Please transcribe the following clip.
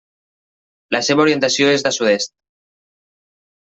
La seva orientació és de sud-est.